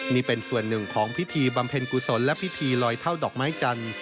นี่เป็นส่วนหนึ่งของพิธีบำเพ็ญกุศลและพิธีลอยเท่าดอกไม้จันทร์